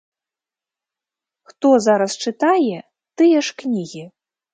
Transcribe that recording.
Хто зараз чытае тыя ж кнігі?